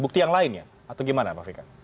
bukti yang lainnya atau gimana pak fikar